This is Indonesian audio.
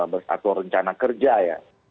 bersatu rencana kerja ya